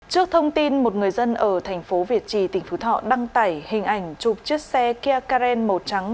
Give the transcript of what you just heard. trước thông tin một người dân ở thành phố việt trì tỉnh phú thọ đăng tải hình ảnh chụp chiếc xe kia karen màu trắng